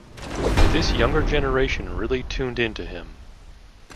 This younger generation really tuned into him.